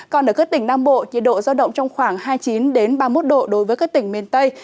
còn ở các tỉnh nam bộ nhiệt độ giao động trong khoảng hai mươi chín ba mươi một độ đối với các tỉnh miền tây